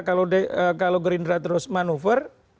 kalau gerindra terus manuver